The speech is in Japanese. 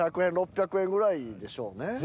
５００円６００円ぐらいでしょうね。